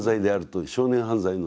少年犯罪の。